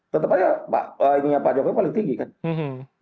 tetap aja pak jokowi paling tinggi kan